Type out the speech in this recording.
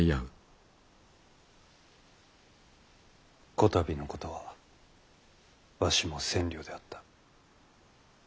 こたびのことはわしも浅慮であった。